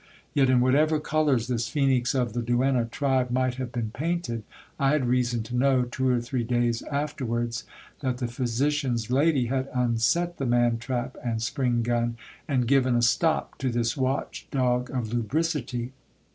Yet, in whatever colours this phoenix of the duenna tribe might have been painted, I had reason to know, two or three days after w ards, that the physician's lady had unset the man trap and spring gun, and g ven a stop to this watch dog of lubricity.